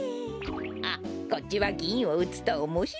あっこっちはぎんをうつとおもしろくなるわねえ。